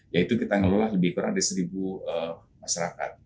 yaitu kita ngelola lebih kurang dari seribu masyarakat